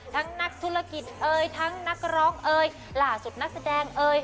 นักธุรกิจเอ่ยทั้งนักร้องเอ่ยล่าสุดนักแสดงเอ่ย